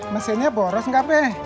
mesinnya boros gak be